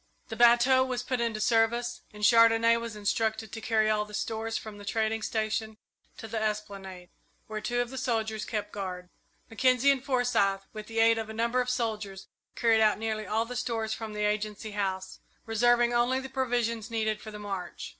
The bateau was put into service, and Chandonnais was instructed to carry all the stores from the trading station to the esplanade, where two of the soldiers kept guard. Mackenzie and Forsyth, with the aid of a number of soldiers, carried out nearly all the stores from the Agency House, reserving only the provisions needed for the march.